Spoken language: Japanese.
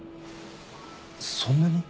そんなに？